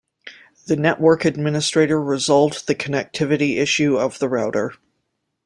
The network administrator resolved the connectivity issue of the router.